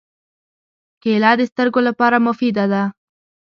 کېله د سترګو لپاره مفیده ده.